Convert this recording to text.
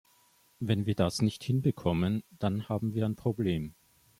Wenn wir das nicht hinbekommen, dann haben wir ein Problem.